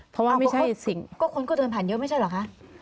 เพราะว่าไม่ใช่สิ่งก็คนก็เดินผ่านเยอะไม่ใช่เหรอคะ